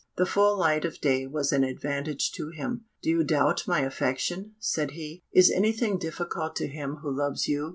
The full light of day was an advantage to him. "Do you doubt my affection?" said he. "Is anything difficult to him who loves you?"